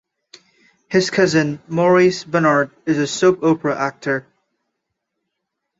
His cousin, Maurice Benard, is a soap opera actor.